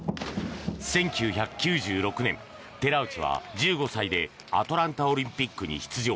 １９９６年、寺内は１５歳でアトランタオリンピックに出場。